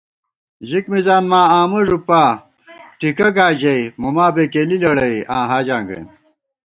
ژِک مِزان ماں آمہ ݫُپا ٹِکہ گا ژَئی موما بېکېلی لېڑَئی آں حاجاں گئیم